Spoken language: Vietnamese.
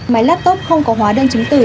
máy laptop không có hóa đơn chứng tử